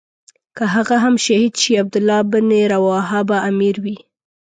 که هغه هم شهید شي عبدالله بن رواحه به امیر وي.